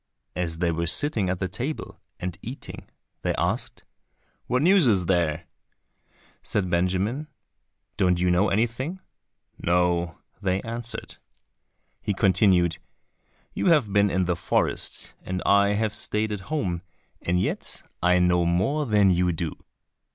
And as they were sitting at table, and eating, they asked, "What news is there?" Said Benjamin, "Don't you know anything?" "No," they answered. He continued, "You have been in the forest and I have stayed at home, and yet I know more than you do."